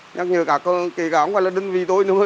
nhắc nhớ cả cái gáo ngoài là đơn vị tôi nữa